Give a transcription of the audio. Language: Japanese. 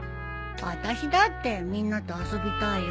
あたしだってみんなと遊びたいよ？